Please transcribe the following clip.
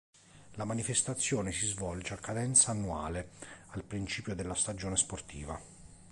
La manifestazione si svolge a cadenza annuale, al principio della stagione sportiva.